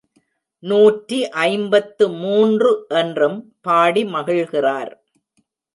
நூற்றி ஐம்பத்து மூன்று என்றும் பாடி மகிழ்கிறார்.